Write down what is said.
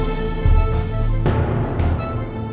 ที่สุดท้าย